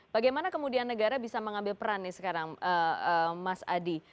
bagaimana kemudian negara bisa mengambil peran nih sekarang mas adi